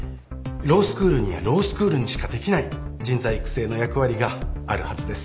ロースクールにはロースクールにしかできない人材育成の役割があるはずです